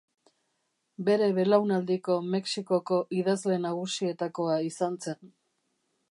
Bere belaunaldiko Mexikoko idazle nagusietakoa izan zen.